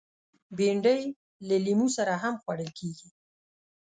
بېنډۍ له لیمو سره هم خوړل کېږي